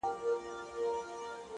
• چا خندله چا به ټوکي جوړولې,